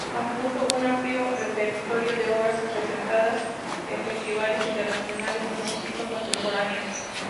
Compuso un amplio repertorio de obras presentadas en festivales internacionales de música contemporánea.